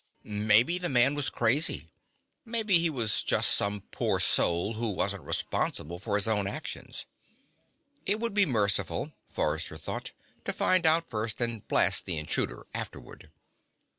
Maybe the man was crazy. Maybe he was just some poor soul who wasn't responsible for his own actions. It would be merciful, Forrester thought, to find out first, and blast the intruder afterward.